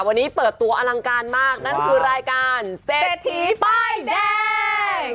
วันนี้เปิดตัวอลังการมากนั่นคือรายการเศรษฐีป้ายแดง